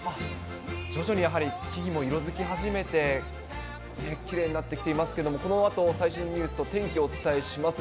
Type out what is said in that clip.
徐々にやはり木々も色づき始めて、きれいになってきていますけども、このあと最新ニュースと天気をお伝えします。